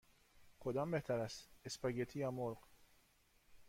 کدام بهتر است: اسپاگتی یا مرغ؟